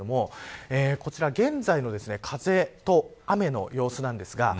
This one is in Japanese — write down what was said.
こちら現在の風と雨の様子です。